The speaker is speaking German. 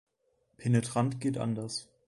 Penetrant geht anders.